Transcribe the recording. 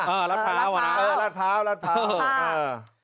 อ่าราดพร้าวเหรอครับเออราดพร้าวราดพร้าวเออเออเออราดพร้าว